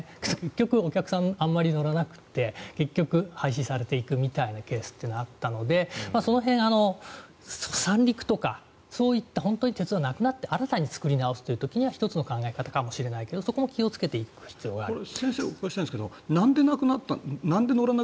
結局、お客さんあまり乗らなくて結局、廃止されていくみたいなケースはあったのでその辺、三陸とか、そういった本当に鉄道がなくなって新たに作り直す時には１つの考え方かもしれないんですがそこは注意して考える必要がある。